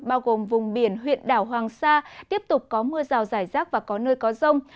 bao gồm vùng biển huyện đảo hoàng sa tiếp tục có mưa rào rải rác và có nơi có rông